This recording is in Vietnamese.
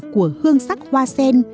của hương sắc hoa sen